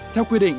theo quy định